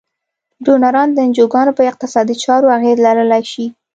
ډونران د انجوګانو په اقتصادي چارو اغیز لرلای شي.